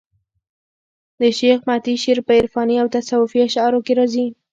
د شېخ متي شعر په عرفاني او تصوفي اشعارو کښي راځي.